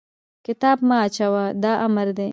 کتاب مه اچوه! دا امر دی.